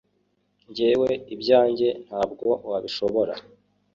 “Jyewe ibyanjye ntabwo wabishobora